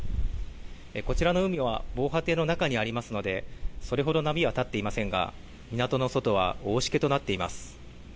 こちらの海は防波堤の中にありますので、それほど波は立っていませんが、港の外は大しけとなっています。